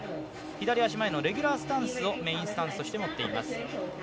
左足前のレギュラースタンスをメインスタンスとして持っていませす。